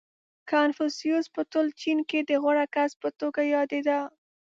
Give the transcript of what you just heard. • کنفوسیوس په ټول چین کې د غوره کس په توګه یادېده.